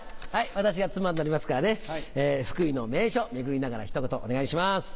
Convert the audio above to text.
私が妻になりますからね福井の名所巡りながらひと言お願いします。